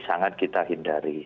sangat kita hindari